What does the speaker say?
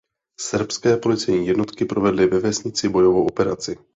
Srbské policejní jednotky provedly ve vesnici bojovou operaci.